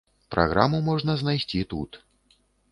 Праграму можна знайсці тут.